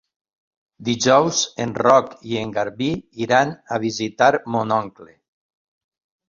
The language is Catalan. Dijous en Roc i en Garbí iran a visitar mon oncle.